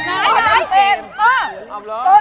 หัวไร